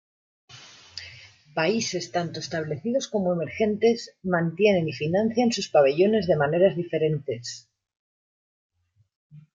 Países tanto establecidos como emergentes mantienen y financian sus pabellones de maneras diferentes.